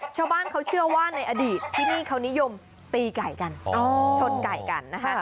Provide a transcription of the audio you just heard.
ชาวบ้านเขาเชื่อว่าในอดีตที่นี่เขานิยมตีไก่กันชนไก่กันนะคะ